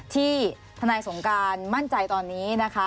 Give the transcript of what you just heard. ที่ทนายสงการมั่นใจตอนนี้นะคะ